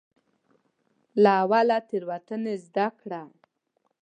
او له تېروتنې زدکړه وکړه.